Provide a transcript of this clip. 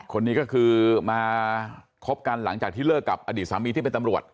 คนนี้ก็คือมาคบกันหลังจากที่เลิกกับอดีตสามีที่เป็นตำรวจ